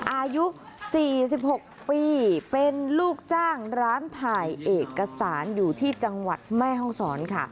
อายุ๔๖ปีเป็นลูกจ้างร้านถ่ายเอกสารอยู่ที่จังหวัดแม่ห้องศรค่ะ